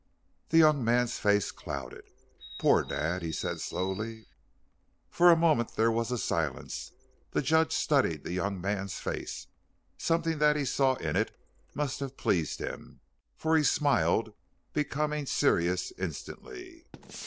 The young man's face clouded. "Poor dad," he said slowly. For a moment there was a silence; the judge studied the young man's face. Something that he saw in it must have pleased him, for he smiled, becoming serious instantly.